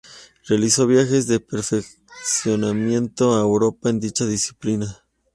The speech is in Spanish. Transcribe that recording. Realizó viajes de perfeccionamiento a Europa en dicha disciplina.